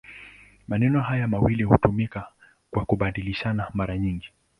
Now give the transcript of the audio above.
Maneno haya mawili hutumika kwa kubadilishana mara nyingi.